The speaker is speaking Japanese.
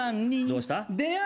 どうした？